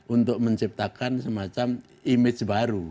untuk menciptakan semacam image baru